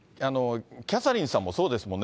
キャサリンさんもそうですもんね。